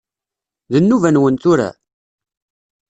D nnuba-nwen tura?